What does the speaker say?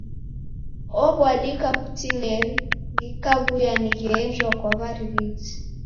Ow'adika kutineri ghikaw'uya ni gheenjwa kwa w'arighiti.